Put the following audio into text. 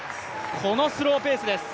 このスローペースです。